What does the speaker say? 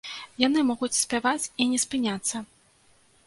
Яны могуць спяваць і не спыняцца.